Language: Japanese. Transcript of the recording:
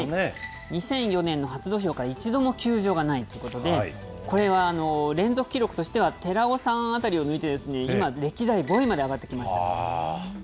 ２００４年の初土俵から一度も休場がないということで、これは連続記録としては寺尾さんあたりを見て、今、歴代５位まで上がってきました。